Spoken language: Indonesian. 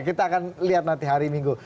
kita akan lihat nanti hari minggu